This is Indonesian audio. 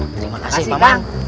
terima kasih paman